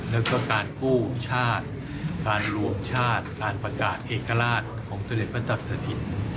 แล้วก็การกู้ชาติการรวมชาติการประกาศเอกราชของสมเด็จพระจักรสถิต